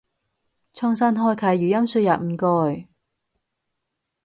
重新開啟語音輸入唔該